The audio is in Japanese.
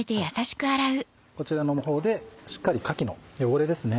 こちらの方でしっかりかきの汚れですね。